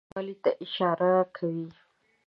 اوړه د کور پاکوالي ته اشاره کوي